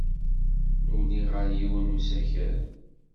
Nuli ɣer yiwen n usakal.